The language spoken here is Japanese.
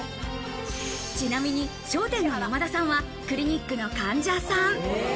ちなみに『笑点』の山田さんはクリニックの患者さん。